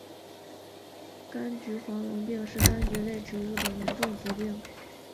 柑橘黄龙病是柑橘类植物的严重疾病。